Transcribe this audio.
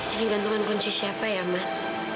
ini gantungan kunci siapa ya mas